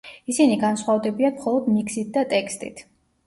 ისინი განსხვავდებიან მხოლოდ მიქსით და ტექსტით.